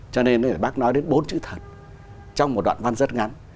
cho nên là bác nói đến bốn chữ thật trong một đoạn văn rất ngắn